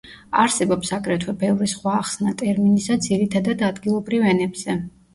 არსებობს აგრეთვე ბევრი სხვა ახსნა ტერმინისა, ძირითადად ადგილობრივ ენებზე.